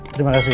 terima kasih ya